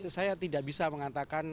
saya tidak bisa mengatakan